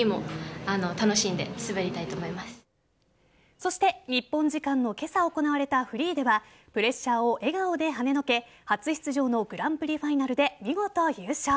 そして日本時間の今朝行われたフリーではプレッシャーを笑顔ではねのけ初出場のグランプリファイナルで見事優勝。